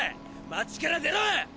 街から出ろ！